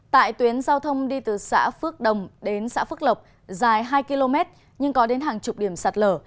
tại tuyến giao thông đi từ xã phước đồng đến xã phước lộc dài hai km nhưng có đến hàng chục điểm sạt lở